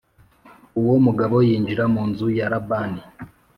Uwo mugabo yinjira mu nzu ya Labani